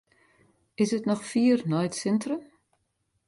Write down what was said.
Is it noch fier nei it sintrum?